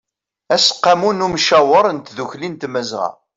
aseqqamu n ymcawer n tdukli n tmazɣa